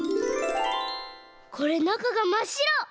これなかがまっしろ！